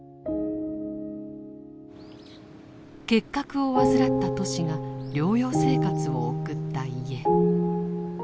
結核を患ったトシが療養生活を送った家。